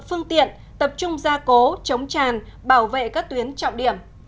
phương tiện tập trung gia cố chống tràn bảo vệ các tuyến trọng điểm